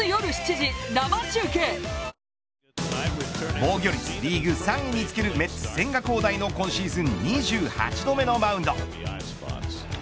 防御率リーグ３位につけるメッツ、千賀滉大の今シーズン２８度目のマウンド。